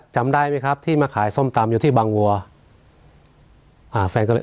จำได้ไหมครับที่มาขายส้มตำอยู่ที่บางวัวอ่าแฟนก็เลย